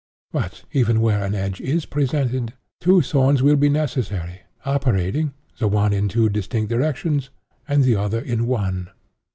But, even where an edge is presented, two thorns will be necessary, operating, the one in two distinct directions, and the other in one.